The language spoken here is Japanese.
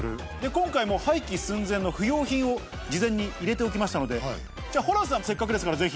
今回、もう廃棄寸前の不要品を事前に入れておきましたので、じゃあ、ホランさん、せっかくですから、ぜひ。